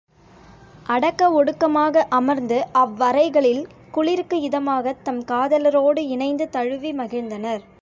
அடக்க ஒடுக்கமாக அமர்ந்து அவ்அறைகளில் குளிருக்கு இதமாகத் தம் காதலரோடு இணைந்து தழுவி மகிழ்ந்தனர்.